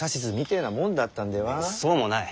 めっそうもない。